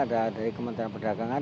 ada dari kementerian perdagangan